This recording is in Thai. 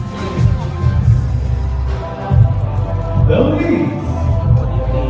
สโลแมคริปราบาล